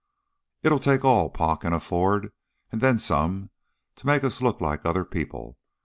It'll take all Pa can afford, and then some, to make us look like other people.